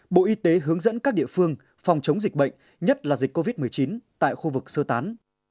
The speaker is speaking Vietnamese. bộ y tế hướng dẫn các địa phương phòng chống dịch bệnh nhất là dịch covid một mươi chín tại khu vực sơ tán